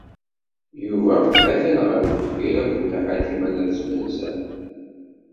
Yuba ha-t-an ɣer deffir akked Nna Ḥakima n At Zmenzer.